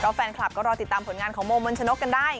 แฟนคลับก็รอติดตามผลงานของโมมนชนกกันได้